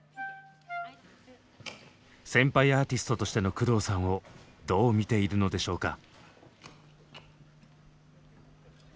先輩アーティストとしての工藤さんをどう見ているのでしょうか？